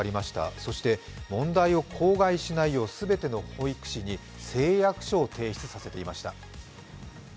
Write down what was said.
そして問題を口外しないようすべての保育士に誓約書を提出させていました。